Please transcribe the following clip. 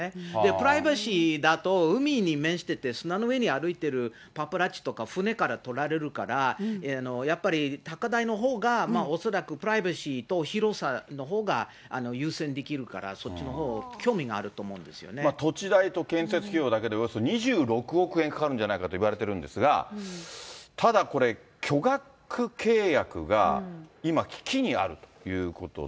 プライバシーだと、海に面してて、砂の上に歩いてるパパラッチとか船から撮られるから、やっぱり高台のほうが、恐らくプライバシーと広さのほうを優先できるから、そっちのほう土地代と建設費用だけで、およそ２６億円かかるんじゃないかといわれているんですがただ、これ、巨額契約が今、危機にあるということで。